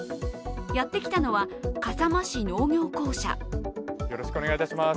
やってきたのは笠間市農業公社。